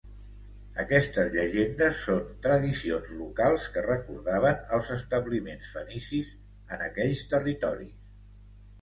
Aquestes llegendes són tradicions locals que recordaven els establiments fenicis en aquells territoris.